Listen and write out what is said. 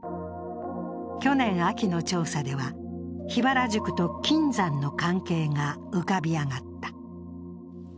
去年秋の調査では、桧原宿と金山の関係が浮かび上がった。